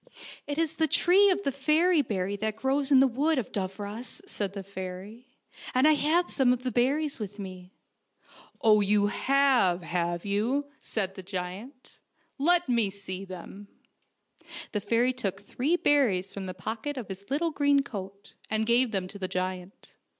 " It is the tree of the fairy berry that grows in the Wood of Dooros," said the fairy, " and I have some of the berries with me." "Oh, you have, have you?' s;iid the giant, " Let me see them." 108 FAIKY TALES The fairy took three berries from the pocket of his little green coat, and gave them to the giant.